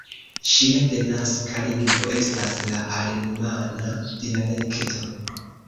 Ŝia denaska lingvo estas la alemana dialekto.